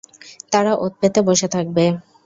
তারা ওঁৎ পেতে বসে থাকবে।